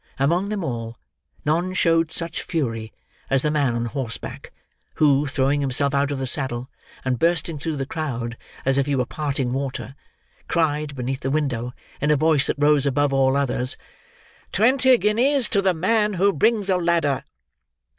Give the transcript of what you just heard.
Among them all, none showed such fury as the man on horseback, who, throwing himself out of the saddle, and bursting through the crowd as if he were parting water, cried, beneath the window, in a voice that rose above all others, "Twenty guineas to the man who brings a ladder!"